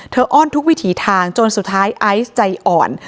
อ้อนทุกวิถีทางจนสุดท้ายไอซ์ใจอ่อน